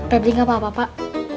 pepri tidak apa apa pak